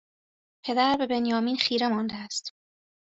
پدر به بنیامین خیره مانده است